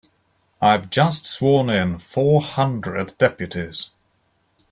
I've just sworn in four hundred deputies.